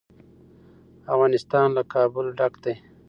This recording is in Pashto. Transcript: افغانستان له کابل ډک دی.